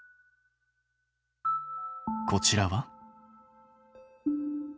こちらは。